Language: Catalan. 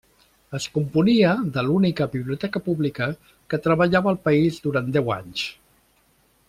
Es componia de l'única biblioteca pública que treballava al país durant deu anys.